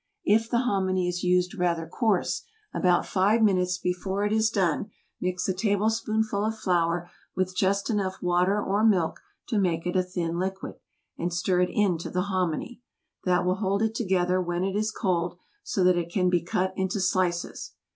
If the hominy is used rather coarse, about five minutes before it is done mix a tablespoonful of flour with just enough water or milk to make it a thin liquid, and stir it into the hominy. That will hold it together when it is cold, so that it can be cut into slices.